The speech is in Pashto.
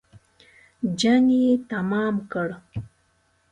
جنګ یې تمام کړ.